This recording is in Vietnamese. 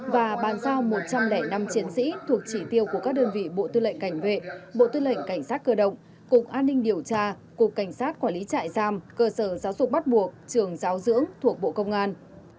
và bàn giao một trăm linh năm chiến sĩ thuộc chỉ tiêu của các đơn vị bộ tư lệnh cảnh vệ bộ tư lệnh cảnh sát cơ động cục an ninh điều tra cục cảnh sát quản lý trại giam cơ sở giáo dục bắt buộc trường giáo dưỡng thuộc bộ công an